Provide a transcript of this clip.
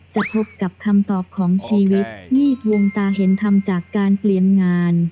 จะพบกับคำตอบของชีวิตนี่วงตาเห็นทำจากการเปลี่ยนงาน